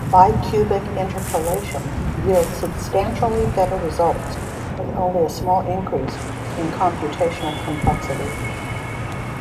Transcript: Bicubic interpolation yields substantially better results, with only a small increase in computational complexity.